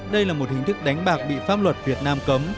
đây là một hình thức đánh bạc bị pháp luật việt nam cấm